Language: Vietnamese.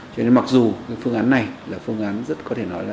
cho nên mặc dù cái phương án này là phương án rất có thể nói là